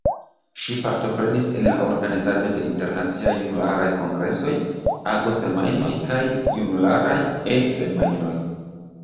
Ŝi partoprenis en la organizado de Internaciaj Junularaj Kongresoj, Ago-Semajnoj kaj Junularaj E-Semajnoj.